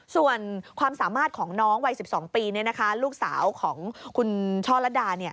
ส่วนความสามารถของน้องวัย๑๒ปีลูกสาวของคุณช่อลัดดา